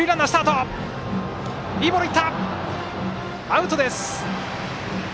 アウトです。